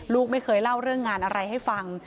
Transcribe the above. ลูกไม่เคยเล่าเรื่องงานอะไรให้ฟัง